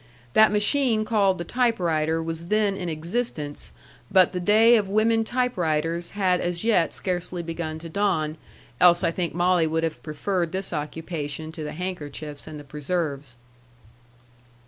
That machine called the typewriter was then in existence, but the day of women typewriters had as yet scarcely begun to dawn, else I think Molly would have preferred this occupation to the handkerchiefs and the preserves.